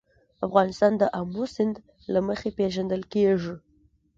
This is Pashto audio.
افغانستان د آمو سیند له مخې پېژندل کېږي.